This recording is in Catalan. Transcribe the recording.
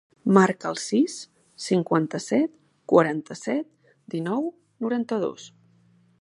Marca el sis, cinquanta-set, quaranta-set, dinou, noranta-dos.